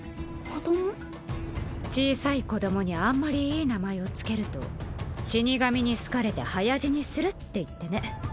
小さい子どもにあんまりいい名前を付けると死神に好かれて早死にするっていってね。